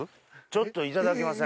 ちょっといただきません？